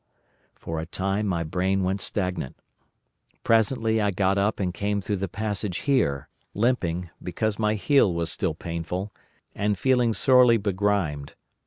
"For a time my brain went stagnant. Presently I got up and came through the passage here, limping, because my heel was still painful, and feeling sorely begrimed.